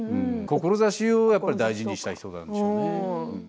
志をやっぱり大事にした人なんでしょうね。